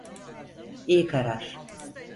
İyi karar.